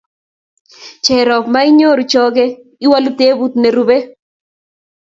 Cherop mainyoru, chokey iwolu tebut nerube.